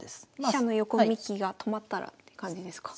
飛車の横利きが止まったらって感じですか？